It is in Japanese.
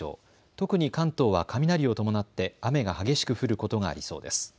特に関東は雷を伴って雨が激しく降ることがありそうです。